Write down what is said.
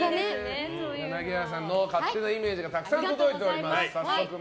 柳原さんの勝手なイメージたくさん届いております。